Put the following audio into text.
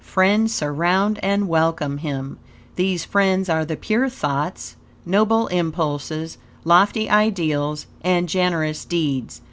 Friends surround and welcome him. These friends are the pure thoughts, noble impulses, lofty ideals, and generous deeds.